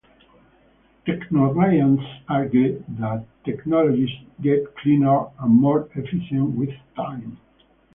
Technogaians argue that technology gets cleaner and more efficient with time.